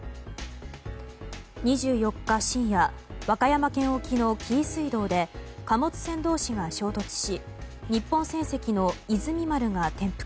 ２４日深夜和歌山県沖の紀伊水道で貨物船同士が衝突し日本船籍の「いずみ丸」が転覆。